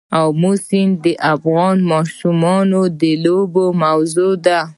آمو سیند د افغان ماشومانو د لوبو موضوع ده.